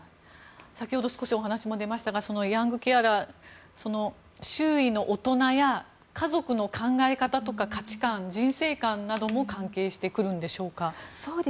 先ほど少しお話も出ましたがそのヤングケアラー周囲の大人や家族の考え方とか価値観人生観なども関係してくるんでしょうか？